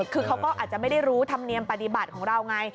คือเขาก็อาจจะไม่ได้รู้ธรรมเนียมปฏิบัติของเราไง